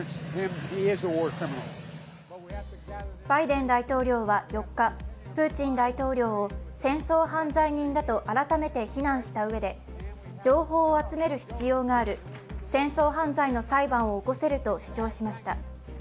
バイデン大統領は４日プーチン大統領を戦争犯罪人だと改めて非難したうえで、情報を集める必要がある、戦争犯罪の裁判を起こせると主張しました。